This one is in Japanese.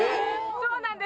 そうなんです。